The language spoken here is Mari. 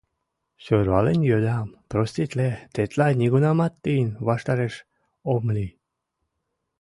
Сӧрвален йодам, проститле, тетла нигунамат тыйын ваштареш ом лий.